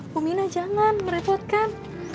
bu mina jangan merepotkan